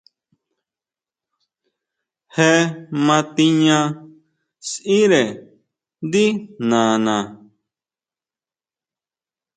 Je ma tiña sʼíre ndí nana.